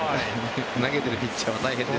投げてるピッチャーは大変です。